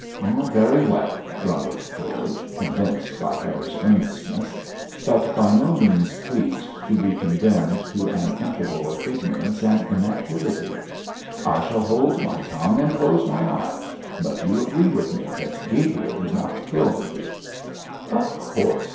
'Very well,' grumbled George, convinced by Harry's earnestness, but by no means pleased to be condemned to an interval of ignorance and inactivity. 'I shall hold my tongue and close my eyes. But you agree with me that Gabriel did not kill the brute?' 'Of course!